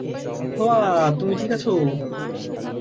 হোয়া, তুমি ঠিক আছো?